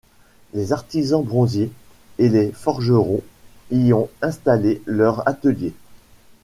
Des artisans bronziers et des forgerons y ont installé leurs ateliers.